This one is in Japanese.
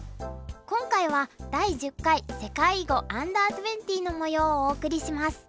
今回は第１０回世界囲碁Ｕ−２０のもようをお送りします。